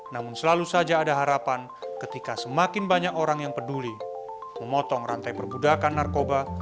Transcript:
namun selalu saja ada harapan ketika semakin banyak orang yang peduli memotong rantai perbudakan narkoba